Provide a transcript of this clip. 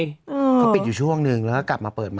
เขาปิดอยู่ช่วงหนึ่งแล้วก็กลับมาเปิดใหม่